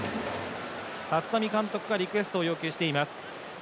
立浪監督がリクエストを要求しています。